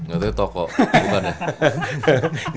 itu toko rumahnya